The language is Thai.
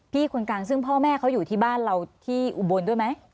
คนกลางซึ่งพ่อแม่เขาอยู่ที่บ้านเราที่อุบลด้วยไหม